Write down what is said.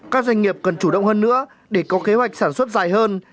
các doanh nghiệp cần chủ động hơn nữa để có kế hoạch sản xuất dài hơn